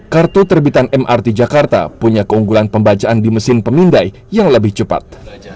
kartu terbitan mrt jakarta punya keunggulan pembacaan di mesin pemindai yang lebih cepat